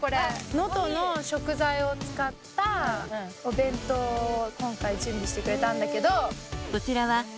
能登の食材を使ったお弁当を今回準備してくれたんだけど。